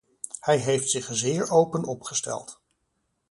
Hij heeft zich zeer open opgesteld.